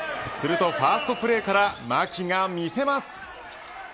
するとファーストプレーから牧が見せます。